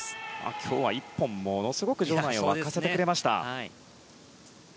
今日は１本ものすごく場内を沸かせてくれました。